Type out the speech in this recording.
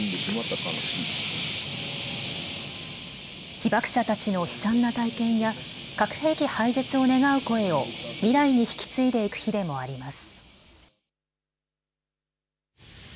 被爆者たちの悲惨な体験や核兵器廃絶を願う声を未来に引き継いでいく日でもあります。